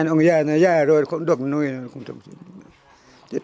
hai ông già nó già rồi không được nuôi